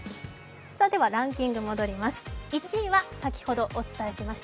ランキング戻ります